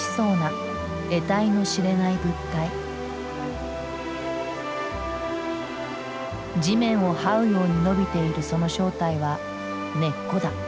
地面をはうように伸びているその正体は根っこだ。